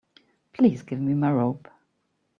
Please give me my robe.